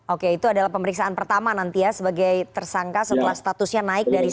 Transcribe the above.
oke itu adalah pemeriksaan pertama nanti ya sebagai tersangka setelah statusnya naik dari situ